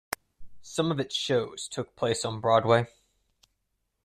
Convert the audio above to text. Some of its shows took place on Broadway.